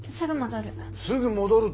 すぐ戻る。